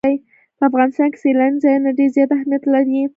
په افغانستان کې سیلاني ځایونه ډېر زیات اهمیت لري.